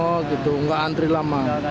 oh gitu nggak antri lama